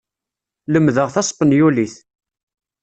Lemmdeɣ taspanyulit.